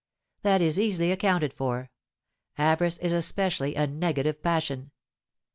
That is easily accounted for; avarice is especially a negative passion.